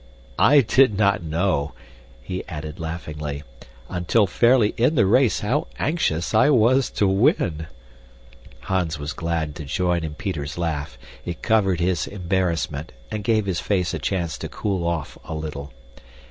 I did not know," he added laughingly, "until fairly in the race, how anxious I was to win." Hans was glad to join in Peter's laugh; it covered his embarrassment and gave his face a chance to cool off a little.